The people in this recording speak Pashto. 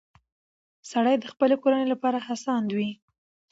سړی د خپلې کورنۍ لپاره هڅاند وي